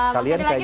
masih ada lagi